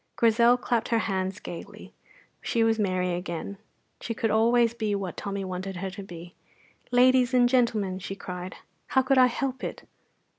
Grizel clapped her hands gaily; she was merry again. She could always be what Tommy wanted her to be. "Ladies and gentlemen," she cried, "how could I help it?"